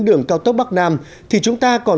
để mà làm thế nào